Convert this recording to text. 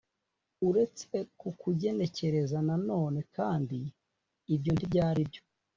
uretse kukunegekaza nanone kandi ibyo ntibyari byo